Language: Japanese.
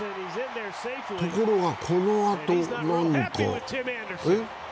ところがこのあと、なんか、え？